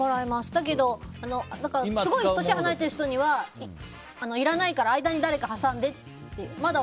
だけどすごい年が離れてる人にはいらないから間に誰か挟んでって。